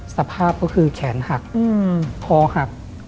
สภาพก็คือแขนหักคอหัก